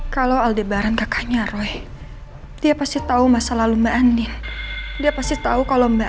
kalau aldebaran kakaknya roy dia pasti tahu masa lalu mbak andi dia pasti tahu kalau mbak